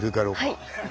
はい。